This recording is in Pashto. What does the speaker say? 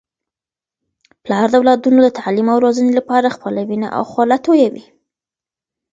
پلار د اولادونو د تعلیم او روزنې لپاره خپله وینه او خوله تویوي.